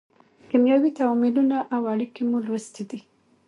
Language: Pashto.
کیمیاوي تعاملونه او اړیکې مو لوستې دي.